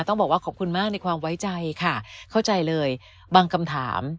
ต้องบอกว่าขอบคุณมากในความไว้ใจค่ะเข้าใจเลยบางคำถาม